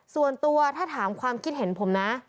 ส่วนตัวถ้าถามความคิดเห็นผมนะ